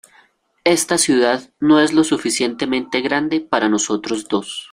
Esta ciudad no es lo suficientemente grande para nosotros dos.